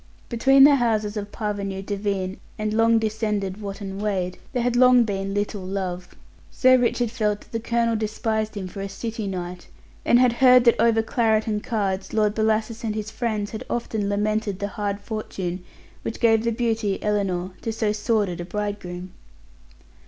Between the houses of parvenu Devine and long descended Wotton Wade there had long been little love. Sir Richard felt that the colonel despised him for a city knight, and had heard that over claret and cards Lord Bellasis and his friends had often lamented the hard fortune which gave the beauty, Ellinor, to so sordid a bridegroom.